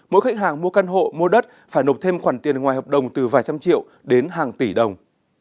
mỗi khách hàng mua căn hộ mua đất phải nộp thêm khoản tiền ngoài hợp đồng từ vài trăm triệu đến hàng tỷ đồng